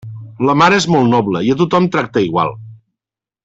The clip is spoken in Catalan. La mar és molt noble i a tothom tracta igual.